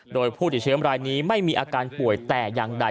โดยผู้ติดเชื้อรายนี้ไม่มีอาการป่วยแต่อย่างใด